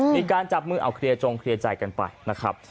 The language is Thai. มีการจับมือเอาเคลียร์จงเคลียร์ใจกันไปนะครับ